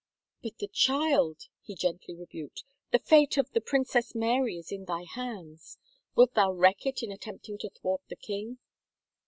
" But thy child," he gently rebuked. " The fate of the Princess Alary is in thy hands. Wilt thou wreck it in attempting to thwart the king?